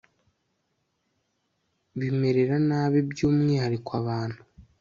bimerera nabi byumwihariko abantu